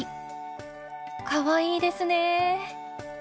かわいいですねぇ。